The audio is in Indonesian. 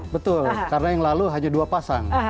betul karena yang lalu hanya dua pasang